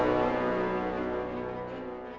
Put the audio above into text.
untuk itu kita harus mencari